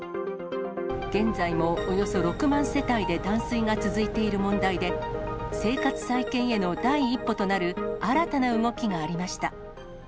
現在もおよそ６万世帯で断水が続いている問題で、生活再建への第一歩となる新たな動きがありました。